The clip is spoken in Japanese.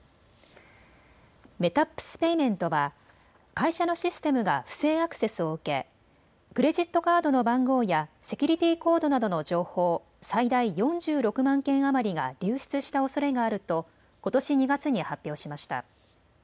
メタップスペイメントは会社のシステムが不正アクセスを受けクレジットカードの番号やセキュリティーコードなどの情報、最大４６万件余りが流出したおそれがあるとことし２月に発表しました。